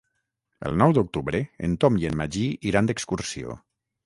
El nou d'octubre en Tom i en Magí iran d'excursió.